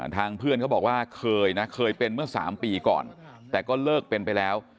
ทางเพื่อนเขาบอกว่าเคยนะเคยเป็นเมื่อ๓ปีก่อนแต่ก็เลิกเป็นไปแล้ว